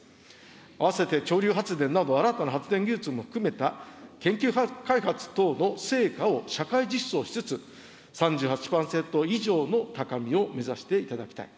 併せて潮流発電など新たな発電技術も含めた研究開発等の成果を社会実装しつつ、３８％以上の高みを目指していただきたい。